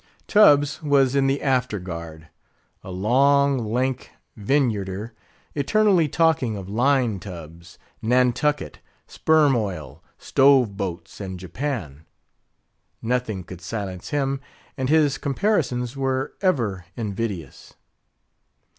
Tubbs was in the After Guard; a long, lank Vineyarder, eternally talking of line tubs, Nantucket, sperm oil, stove boats, and Japan. Nothing could silence him; and his comparisons were ever invidious.